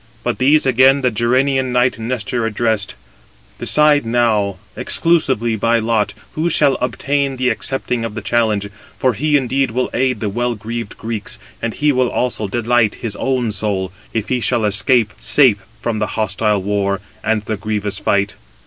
But these again the Gerenian knight Nestor addressed: "Decide now, exclusively by lot, who shall obtain [the accepting of the challenge]; for he indeed will aid the well greaved Greeks; and he will also delight his own soul, if he shall escape safe from the hostile war and the grievous fight."